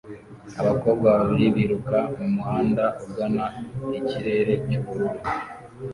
Abakobwa babiri biruka mumuhanda ugana ikirere cyubururu